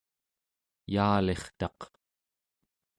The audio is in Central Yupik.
yaalirtaq